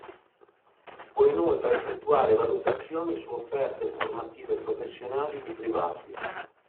Può inoltre effettuare valutazioni su offerte formative professionali di privati.